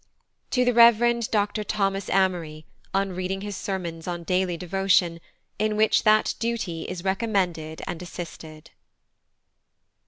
To the Rev. DR. THOMAS AMORY, on reading his Sermons on DAILY DEVOTION, in which that Duty is recommended and assisted.